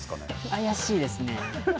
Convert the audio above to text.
怪しいですね。